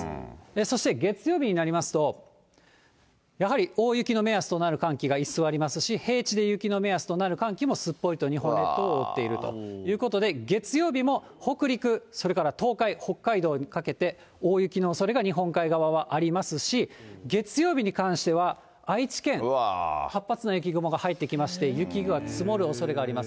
そして月曜日になりますと、やはり大雪の目安となる寒気が居座りますし、平地で雪の目安となる寒気もすっぽりと日本列島を覆っていると。ということで、月曜日も北陸、それから東海、北海道にかけて、大雪のおそれが日本海側はありますし、月曜日に関しては愛知県、活発な雪雲が入ってきまして、雪が積もるおそれがあります。